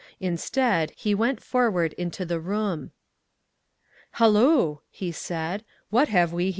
Instead, he went' for ward into the room. " Halloo !" he said. " What have we here ?